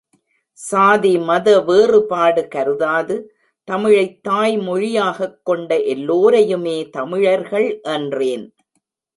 சாதிமத வேறுபாடு கருதாது தமிழைத் தாய்மொழியாகக் கொண்ட எல்லோரையுமே தமிழர்கள் என்றேன்.